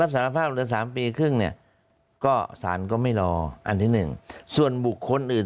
สารภาพเหลือ๓ปีครึ่งเนี่ยก็สารก็ไม่รออันที่๑ส่วนบุคคลอื่น